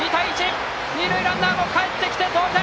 二塁ランナーもかえってきて同点！